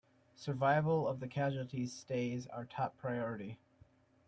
Survival of the casualties stays our top priority!